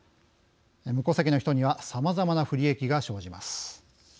無戸籍の人にはさまざまな不利益が生じます。